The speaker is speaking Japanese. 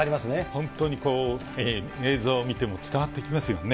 本当に映像見ても伝わってきますよね。